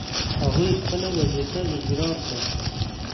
هغوی خپله وظیفه اجرا کړه.